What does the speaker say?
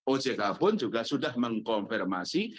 ojk pun juga sudah mengkonfirmasi